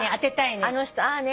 「あの人ああね」